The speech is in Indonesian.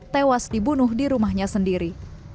tewas dibunuh di rumahnya sendiri